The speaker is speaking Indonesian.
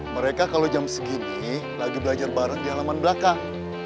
mereka kalau jam segini lagi belajar bareng di halaman belakang